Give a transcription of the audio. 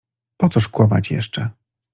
Po cóż kłamać jeszcze?